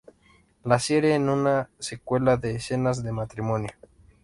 La serie es una secuela de Escenas de matrimonio.